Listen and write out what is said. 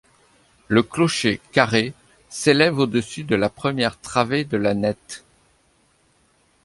Le clocher, carré, s’élève au dessus de la première travée de la net.